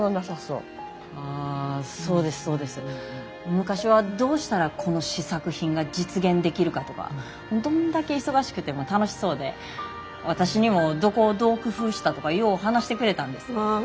昔はどうしたらこの試作品が実現できるかとかどんだけ忙しくても楽しそうで私にもどこをどう工夫したとかよう話してくれたんです。